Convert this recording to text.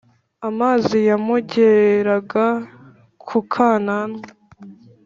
Amazi yamugeranga ku kananwa